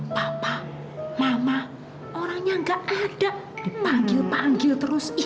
papa mama orangnya ga ada dipanggil panggil terus ih